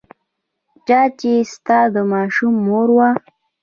چا چې ستا د ماشوم مور وه.